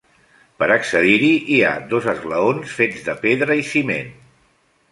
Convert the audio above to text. Per accedir-hi hi ha dos esglaons fets de pedra i ciment.